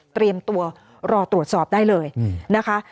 เตรียมตัวรอตรวจสอบได้เลยนะคะ